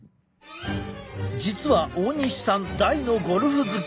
実は大西さん大のゴルフ好き。